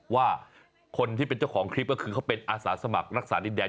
ว่าคนที่เป็นเจ้าของคลิปก็คือเขาเป็นอาสาสมัครรักษาดินแดน